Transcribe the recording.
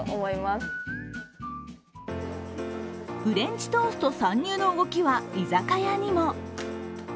フレンチトースト参入の動きは、居酒屋にも。